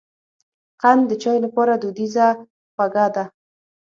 قند د چای لپاره دودیزه خوږه ده.